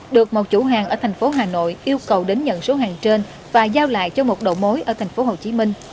được một chủ hàng ở thành phố hà nội yêu cầu đến nhận số hàng trên và giao lại cho một đầu mối ở thành phố hồ chí minh